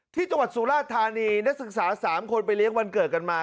ที่จังหวัดสุราธานีนักศึกษา๓คนไปเลี้ยงวันเกิดกันมา